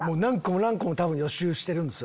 何個も多分予習してるんですわ